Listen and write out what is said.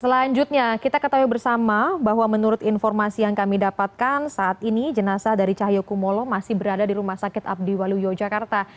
selanjutnya kita ketahui bersama bahwa menurut informasi yang kami dapatkan saat ini jenazah dari cahyokumolo masih berada di rumah sakit abdi waluyo jakarta